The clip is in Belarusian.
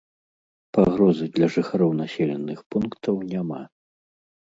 Пагрозы для жыхароў населеных пунктаў няма.